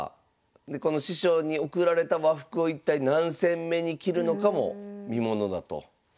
でこの師匠に贈られた和服を一体何戦目に着るのかも見ものだと。